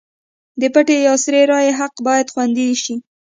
د پټې یا سري رایې حق باید خوندي شي.